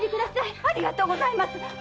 〔ありがとうございます〕